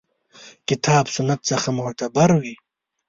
کتاب سنت څخه معتبر وي.